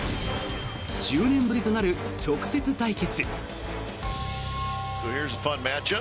１０年ぶりとなる直接対決。